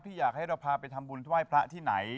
ที่อยากให้เราพาไปทำงาน